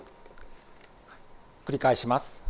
繰り返します。